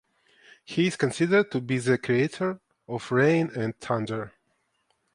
He is considered to be the creator of rain and thunder.